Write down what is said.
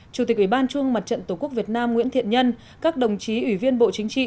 chủ tịch ủy ban trung mặt trận tổ quốc việt nam nguyễn thiện nhân các đồng chí ủy viên bộ chính trị